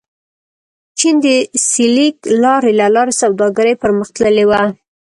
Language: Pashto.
چین د سیلک لارې له لارې سوداګري پرمختللې وه.